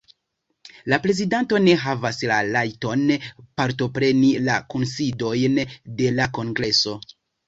La prezidento ne havas la rajton partopreni la kunsidojn de la kongreso.